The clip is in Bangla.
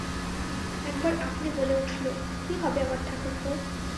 একবার আপনি বলে উঠল, কী হবে আমার ঠাকুরপো!